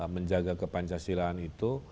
menjaga kepancasilaan itu